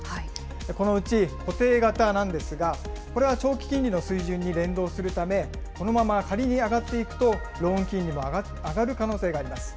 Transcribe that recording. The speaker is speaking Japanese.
このうち固定型なんですが、これは長期金利の水準に連動するため、このまま仮に上がっていくと、ローン金利も上がる可能性があります。